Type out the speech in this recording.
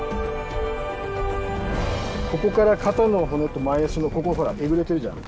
ここから肩の骨と前脚のここほらえぐれてるじゃん。